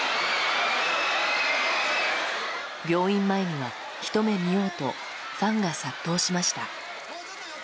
病院前には、ひと目見ようとファンが殺到しました。